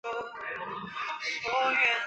光绪十七年中武举。